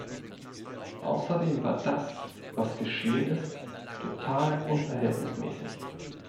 Außerdem war das, was geschehen ist, total unverhältnismäßig.